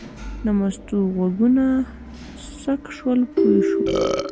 د مستو غوږونه څک شول پوه شوه.